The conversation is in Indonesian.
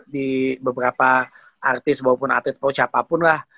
di beberapa artis maupun atlet atau siapapun lah